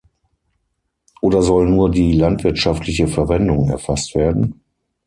Oder soll nur die landwirtschaftliche Verwendung erfasst werden?